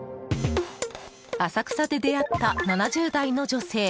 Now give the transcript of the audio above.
浅草で出会った７０代の女性。